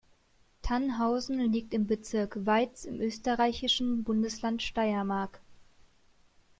Thannhausen liegt im Bezirk Weiz im österreichischen Bundesland Steiermark.